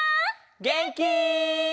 げんき？